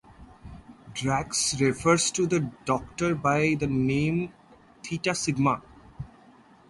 Drax refers to the Doctor by the name "Theta Sigma".